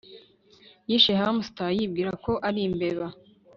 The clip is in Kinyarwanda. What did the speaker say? Yishe hamster yibwira ko ari imbeba